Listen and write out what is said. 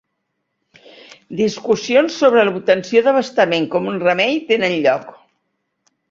Discussions sobre l'obtenció d'abastament com un remei tenen lloc.